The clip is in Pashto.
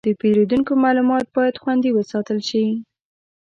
د پیرودونکو معلومات باید خوندي وساتل شي.